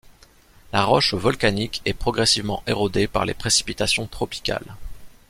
La roche volcanique est progressivement érodée par les précipitations tropicales.